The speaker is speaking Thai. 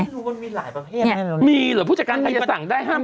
ไม่รู้ว่ามีหลายประเภทมีหรือผู้จัดการมีสั่งได้ห้าม